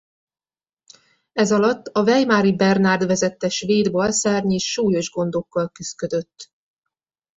Ezalatt a Weimari Bernard vezette svéd balszárny is súlyos gondokkal küszködött.